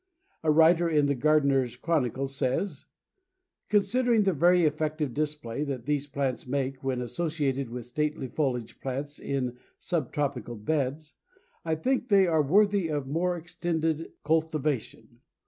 A writer in the Gardener's Chronicle says: "Considering the very effective display that these plants make when associated with stately foliage plants in sub tropical beds, I think they are worthy of more extended cultivation.